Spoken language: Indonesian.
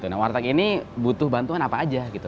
nah warteg ini butuh bantuan apa aja gitu